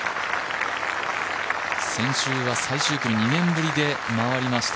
先週は最終組２年ぶりに回りました